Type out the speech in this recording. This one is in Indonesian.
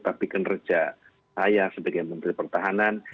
tapi kinerja saya sebagai menteri pertahanan